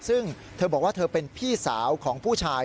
ซึ่งเธอบอกว่าเธอเป็นพี่สาวของผู้ชาย